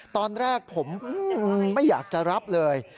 ตอนแรกผมไม่อยากจะรับเลย